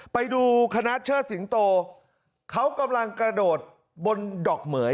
ไปดูคณะเชิดสิงโตเขากำลังกระโดดบนดอกเหมือย